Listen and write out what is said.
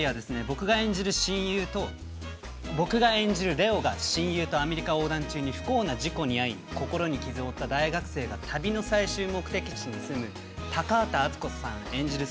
僕が演じる、親友とアメリカ横断中に不幸な事故に遭い、心に傷をおった大学生が、旅の最終目的地に住む、高畑淳子さん演じる